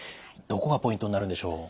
どこがポイントになるんでしょう？